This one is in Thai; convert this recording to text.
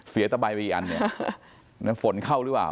เสียตะไบไปอีกอันนั้นเห็นฝนเข้ารึเปล่า